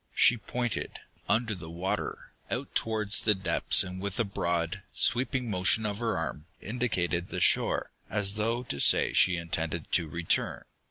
She pointed, under the water, out towards the depths and with a broad, sweeping motion of her arm, indicated the shore, as though to say that she intended to return.